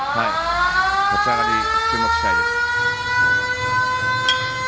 立ち上がり注目したいです。